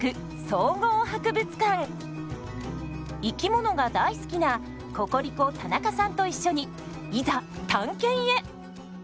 生き物が大好きなココリコ田中さんと一緒にいざ探検へ！